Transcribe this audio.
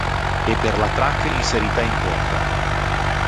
E per la track inserita in Quarter.